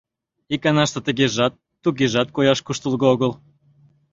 Иканаште тыгежат, тугежат кояш куштылго огыл.